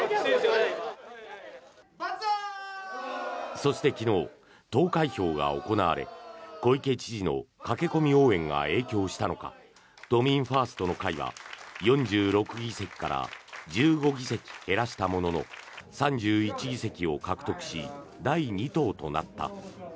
そして昨日、投開票が行われ小池知事の駆け込み応援が影響したのか都民ファーストの会は４６議席から１５議席減らしたものの３１議席を獲得し第２党となった。